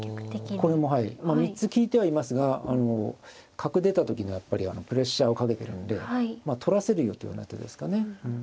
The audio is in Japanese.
これもはい３つ利いてはいますが角出た時のやっぱりプレッシャーをかけてるんで取らせるよというような手ですかね。